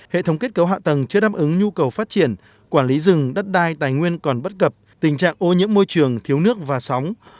hệ thống kết cấu hạ tầng chưa đáp ứng nhu cầu phát triển quản lý rừng đất đai tài nguyên còn bất cập tình trạng ô nhiễm môi trường thiếu nước và sóng